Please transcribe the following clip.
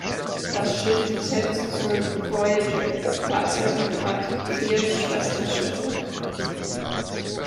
Das Schiff zählt zur "Voyager"-Klasse und hat vier Schwesterschiffe.